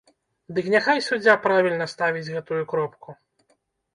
Дык няхай суддзя правільна ставіць гэтую кропку!